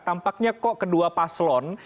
tampaknya kok kedua paslon